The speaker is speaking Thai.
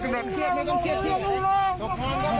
ขึ้นบรรคขึ้นบรรคขึ้นบรรคขึ้นบรรค